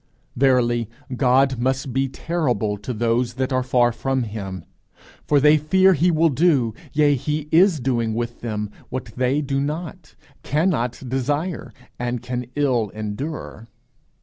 Verily, God must be terrible to those that are far from him; for they fear he will do, yea, he is doing with them what they do not, cannot desire, and can ill endure.